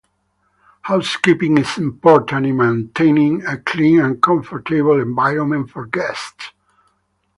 Housekeeping is important in maintaining a clean and comfortable environment for guests.